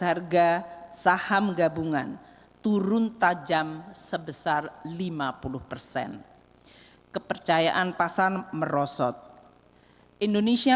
harga saham gabungan turun tajam sebesar lima puluh persen kepercayaan pasar merosot indonesia